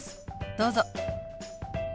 どうぞ。